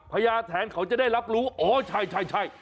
พญาแทนเขาจะได้รับรู้อ๋อใช่